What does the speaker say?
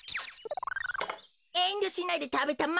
えんりょしないでたべたまえ。